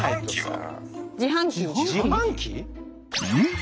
うん？